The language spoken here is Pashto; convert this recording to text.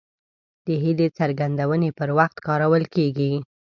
د هیلې څرګندونې پر وخت کارول کیږي.